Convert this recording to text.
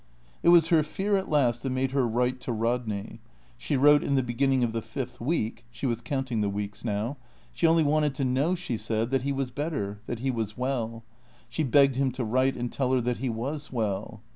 It was her fear at last that made her write to Rodney. She wrote in the beginning of the fifth week (she was counting the weeks now). She only wanted to know, she said, that he was better, that he was well. She begged him to write and tell her that he was well.